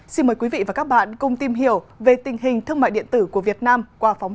xin mời quý vị và các bạn cùng tìm hiểu về tình hình thương mại điện tử của việt nam qua phóng sự